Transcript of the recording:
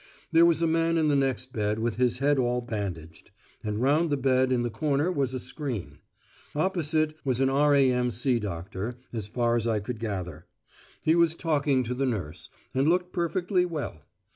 There was a man in the next bed with his head all bandaged; and round the bed in the corner was a screen. Opposite was an R.A.M.C. doctor, as far as I could gather; he was talking to the nurse, and looked perfectly well.